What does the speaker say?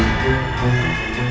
gak ada siapa siapa